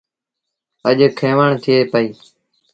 اَڄ کينوڻ ٿئي پئيٚ۔